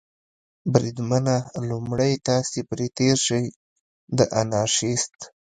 بریدمنه، لومړی تاسې پرې تېر شئ، د انارشیست.